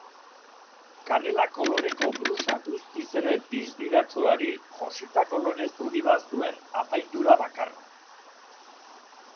Kanela koloreko brusa guztiz ere distiratsuari jositako lore zuri bat zuen apaindura bakarra.